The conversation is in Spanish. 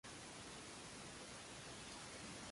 Hay dos, uno a cada lado de la columna vertebral.